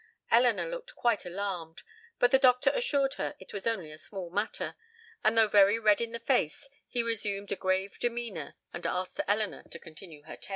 Elinor looked quite alarmed, but the doctor assured her it was only a small matter, and though very red in the face, he resumed a grave demeanor and asked Elinor to continue her tale.